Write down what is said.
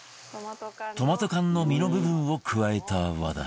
トマト缶の実の部分を加えた和田